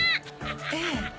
ええ。